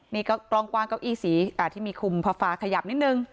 นี่ก็กล้องกว้างเก้าอี้สีที่มีคุมฟ้าขยับนิดนึง